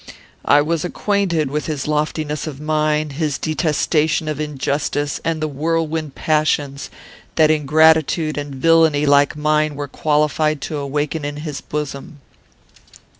"I was acquainted with his loftiness of mind; his detestation of injustice, and the whirlwind passions that ingratitude and villany like mine were qualified to awaken in his bosom.